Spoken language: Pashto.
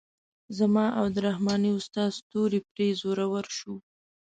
زما او د رحماني استاد ستوری پرې زورور شو.